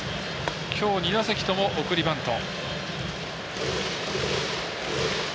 きょう２打席とも送りバント。